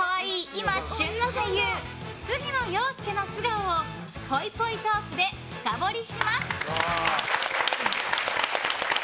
今旬の俳優杉野遥亮の素顔をぽいぽいトークで深掘りします！